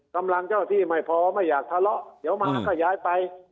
กำลังเจ้าที่ไม่พอไม่อยากทะเลาะเดี๋ยวมาก็ย้ายไป